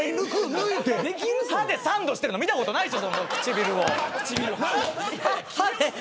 歯でサンドしてるの見たことないです。